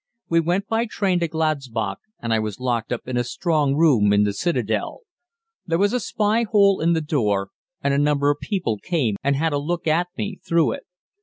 We went by train to Gladsbach, and I was locked up in a strong room in the citadel. There was a spy hole in the door, and a number of people came and had a look at me through it.